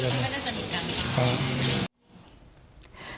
เค้าได้สนิทกัน